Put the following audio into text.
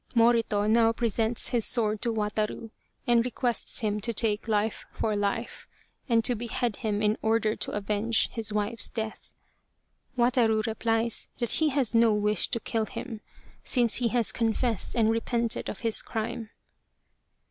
Morito now presents his sword to Wataru and re quests him to take life for life, and to behead him in order to avenge his wife's death. Wataru replies that he has no wish to kill him, since he has confessed and repented of his crime.